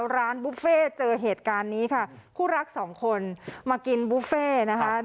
ร้านบุฟเฟ่เจอเหตุการณ์นี้ค่ะคู่รักสองคนมากินบุฟเฟ่นะคะ